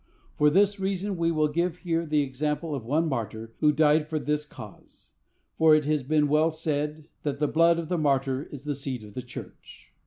For this reason, we will give here the example of one martyr who died for this cause; for it has been well said that "the blood of the martyr is the seed of the church."